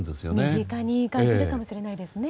身近に感じるかもしれないですね。